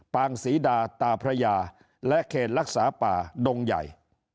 งศรีดาตาพระยาและเขตรักษาป่าดงใหญ่